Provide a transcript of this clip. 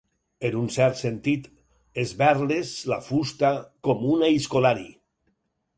En un cert sentit, esberles la fusta com un aizkolari.